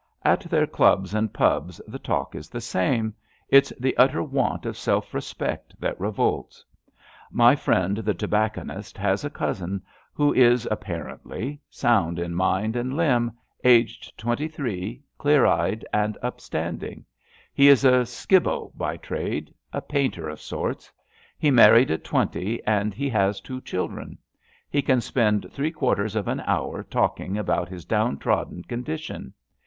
*' At their clubs and pubs the talk is the same. It^s the utter want of self respect that revolts. My friend the tobacconist has a cousin, who is, ap parently, sound in mind and limb, aged twenty three, clear eyed and upstanding. He is a skibbo ^* by trade — a painter of sorts. He mar ried at twenty and he has two children. He can spend three quarters of an hour talking about his downtrodden condition.